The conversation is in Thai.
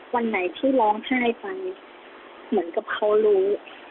วันไหนที่ร้องไห้ไปเหมือนกับเขารู้